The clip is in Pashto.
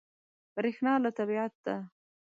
برېښنا له طبیعت ده.